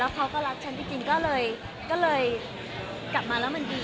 เขาก็รักฉันจริงก็เลยกลับมาแล้วมันดี